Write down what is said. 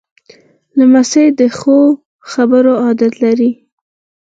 لمسی د ښو خبرو عادت لري.